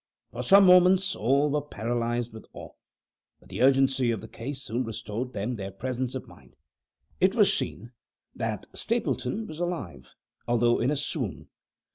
For some moments all were paralyzed with awe but the urgency of the case soon restored them their presence of mind. It was seen that Mr. Stapleton was alive, although in a swoon.